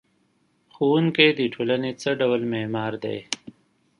ښوونکی د ټولنې څه ډول معمار دی؟